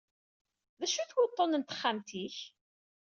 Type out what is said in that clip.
D acu-t wuṭṭun n texxamt-ik?